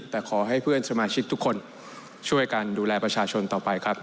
แต่ขอให้เพื่อนสมาชิกทุกคนช่วยกันดูแลประชาชนต่อไปครับ